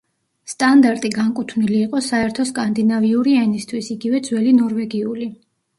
სტანდარტი განკუთვნილი იყო საერთო სკანდინავიური ენისთვის, იგივე ძველი ნორვეგიული.